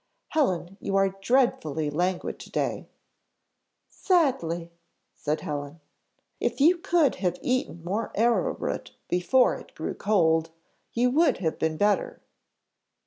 "Helen, you are dreadfully languid to day." "Sadly," said Helen. "If you could have eaten more arrow root before it grew cold, you would have been better."